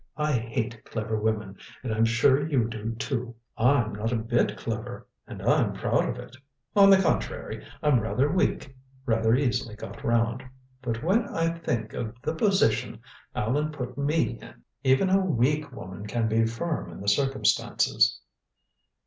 I hate clever women, and I'm sure you do, too. I'm not a bit clever, and I'm proud of it. On the contrary, I'm rather weak rather easily got round. But when I think of the position Allan put me in even a weak woman can be firm in the circumstances."